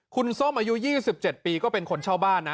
คุณส้มอายุ๒๗ปีก็เป็นคนเช่าบ้านนะ